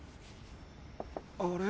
あれ？